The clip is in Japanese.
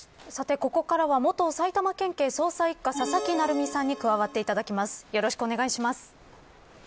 ここから元埼玉県警捜査一課佐々木成三さんに加わっていただきます。